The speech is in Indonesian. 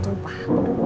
padikan dulu pah